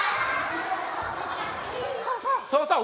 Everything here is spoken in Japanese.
そうそう。